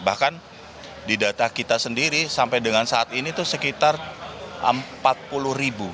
bahkan di data kita sendiri sampai dengan saat ini itu sekitar empat puluh ribu